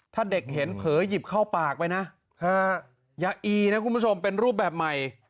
ถ้าเด็กเห็นเผลอหยิบเข้าปากไปนะยาอีนะคุณผู้ชมเป็นรูปแบบใหม่